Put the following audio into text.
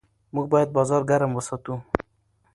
موږ باید بازار ګرم وساتو.